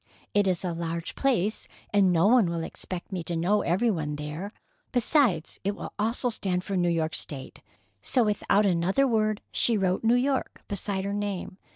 It is a large place, and no one will expect me to know every one there. Besides, it will also stand for New York State." So, without another word, she wrote "New York" beside her name.